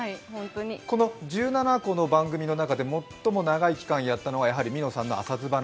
この１７個の番組の中で一番長い期間やったのはやはりみのさんの「朝ズバッ！」